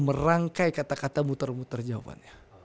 merangkai kata kata mutar muter jawabannya